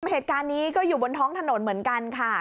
เหตุการณ์นี้ก็อยู่บนท้องถนนเหมือนกันค่ะ